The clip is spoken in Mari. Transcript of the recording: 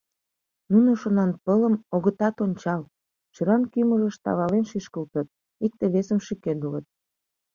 Нунышт Шонанпылым огытат ончал, шӧран кӱмыжыш тавален шӱшкылтыт, икте-весым шӱкедылыт.